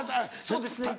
そうですね。